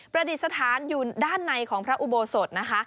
ดิษฐานอยู่ด้านในของพระอุโบสถนะคะ